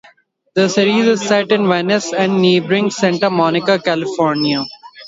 The series is set in Venice and neighboring Santa Monica, California.